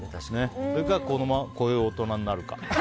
それか、こういう大人になるか。